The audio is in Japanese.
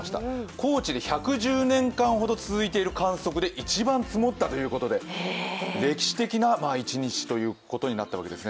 高知で１１０年間ほど続いている観測で一番積もったということで歴史的な１日ということになったわけですね。